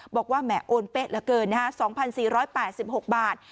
บอกว่าแหมโอนเป๊ะเหลือเกินนะฮะ๒๔๘๖บาท